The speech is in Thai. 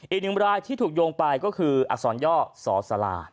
อีกหนึ่งรายที่ถูกโยงไปก็คืออักษรย่อสอสลา